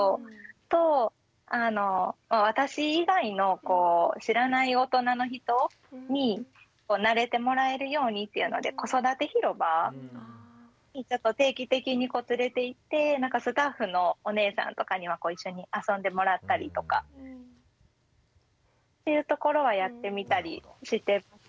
と私以外の知らない大人の人に慣れてもらえるようにっていうので子育てひろばにちょっと定期的に連れていってスタッフのお姉さんとかには一緒に遊んでもらったりとかっていうところはやってみたりしてます。